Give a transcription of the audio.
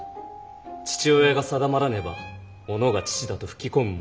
父親が定まらねば己が父だと吹き込む者